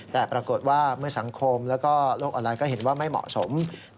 แต่ปรากฏว่าเมื่อสังคมแล้วก็โลกออนไลน์ก็เห็นว่าไม่เหมาะสม